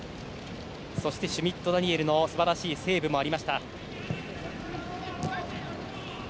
そしてシュミット・ダニエルの素晴らしいセーブもありました。